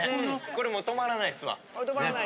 これもうとまらないですわ絶対。